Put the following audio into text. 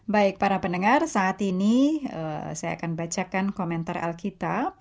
baik para pendengar saat ini saya akan bacakan komentar al kitab